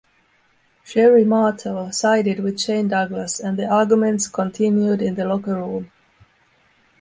Sherri Martel sided with Shane Douglas and the arguments continued in the locker room.